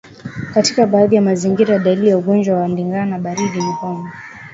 Katika baadhi ya mazingira dalili za ugonjwa wa ndigana baridi ni homa kali